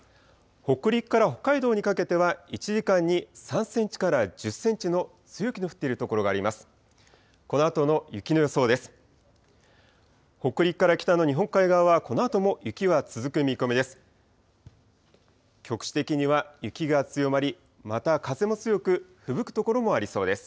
北陸から北海道にかけては、１時間に３センチから１０センチの強い雪の降っている所があります。